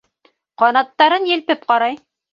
Ҡанаттарын елпеп ҡарай.